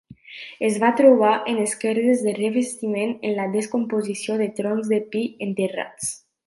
Es va trobar en esquerdes de revestiment en la descomposició de troncs de pi enterrats.